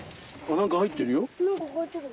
何か入ってる。